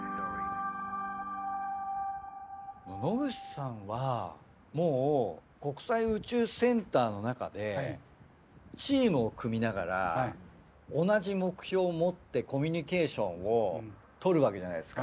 野口さんはもう国際宇宙センターの中でチームを組みながら同じ目標を持ってコミュニケーションをとるわけじゃないですか。